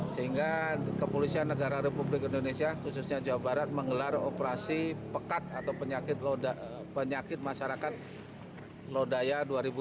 sehingga kepolisian negara republik indonesia khususnya jawa barat menggelar operasi pekat atau penyakit masyarakat lodaya dua ribu dua puluh